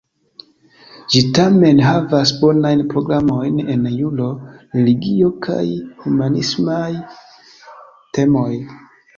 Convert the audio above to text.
Ĝi tamen havas bonajn programojn en juro, religio, kaj humanismaj temoj.